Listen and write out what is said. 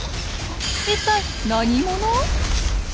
一体何者？